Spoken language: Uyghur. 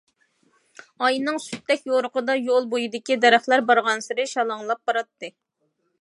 ئاينىڭ سۈتتەك يورۇقىدا يول بويىدىكى دەرەخلەر بارغانسېرى شالاڭلاپ باراتتى.